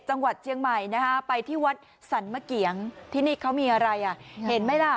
จังหวัดเชียงใหม่นะฮะไปที่วัดสรรมะเกียงที่นี่เขามีอะไรอ่ะเห็นไหมล่ะ